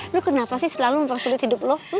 lu kenapa sih selalu memprosedur hidup lu